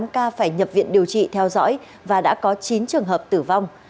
một tám mươi tám ca phải nhập viện điều trị theo dõi và đã có chín trường hợp tử vong